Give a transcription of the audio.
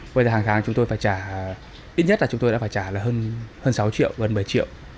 vậy thì hàng tháng chúng tôi phải trả ít nhất là chúng tôi đã phải trả hơn sáu triệu gần bảy triệu